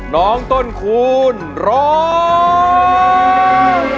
น้องต้นคูณร้อง